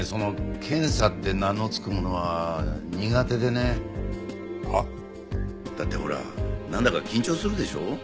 検査って名の付くものは苦手でね。は？だってほらなんだか緊張するでしょう。